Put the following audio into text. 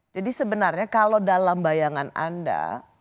jadi sebenarnya kalau dalam bayangan anda